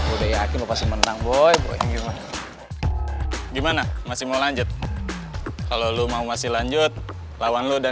udah yakin pasti menang boy gimana masih mau lanjut kalau lu mau masih lanjut lawan lu dan